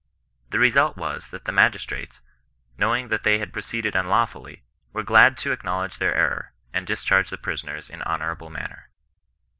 The result was, that the magistrates, knowing that they had proceeded unlawfully, were glad to ac knowledge their error, and discharge the prisoners in an honourable manner.